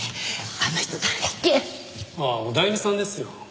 ああオダエミさんですよ。